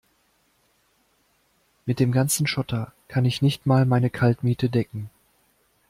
Mit dem ganzen Schotter kann ich nicht mal meine Kaltmiete decken.